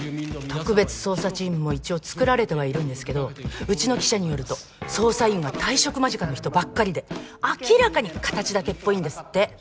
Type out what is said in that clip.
特別捜査チームも一応作られてはいるんですけどうちの記者によると捜査員は退職間近の人ばっかりで明らかに形だけっぽいんですって。